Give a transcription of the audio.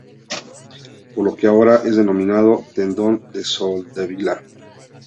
Por lo que ahora es denominado tendón de Soldevila.